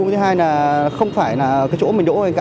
thứ hai là không phải là cái chỗ mình đỗ